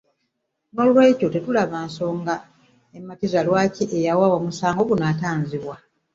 Noolwekyo tetulaba nsonga ematiza lwaki eyawaaba omusango guno atanzibwa